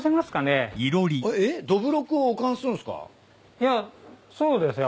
いやそうですよ。